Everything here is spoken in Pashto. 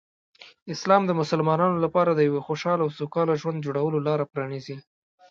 اسلام د مسلمانانو لپاره د یو خوشحال او سوکاله ژوند جوړولو لاره پرانیزي.